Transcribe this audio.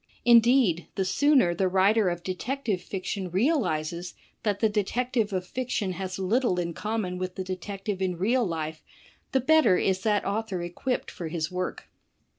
Indeed, the sooner the writer of detective fiction realizes that the detective of fiction has little in common with the detective in real life, the better is that author equipped for his work.